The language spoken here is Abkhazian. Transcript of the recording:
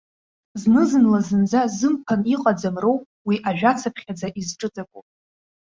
Зны-зынла зынӡа зымԥан иҟаӡам роуп уи ажәацыԥхьаӡа изҿыҵаку.